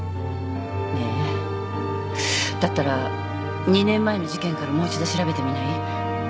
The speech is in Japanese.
ねえだったら２年前の事件からもう一度調べてみない？